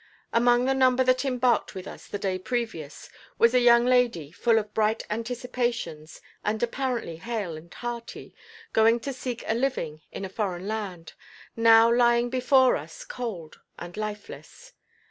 Among the number that embarked with us the day previous was a young lady full of bright anticipations and apparently hale and hearty, going to seek a living in a foreign land, now lying before us cold and lifeless.